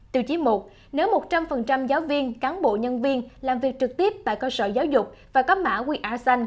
tiêu chí một nếu một trăm linh giáo viên cán bộ nhân viên làm việc trực tiếp tại cơ sở giáo dục và có mã qr xanh